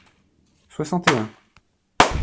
Soixante et un.